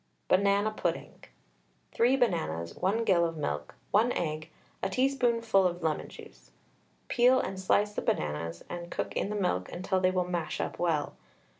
BANANA PUDDING. 3 bananas, 1 gill of milk, 1 egg, a teaspoonful of lemon juice. Peel and slice the bananas, and cook in the milk until they will mash up well.